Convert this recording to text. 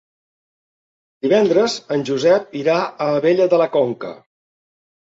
Divendres en Josep irà a Abella de la Conca.